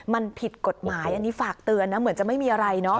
มันผิดกฎหมายอันนี้ฝากเตือนนะเหมือนจะไม่มีอะไรเนาะ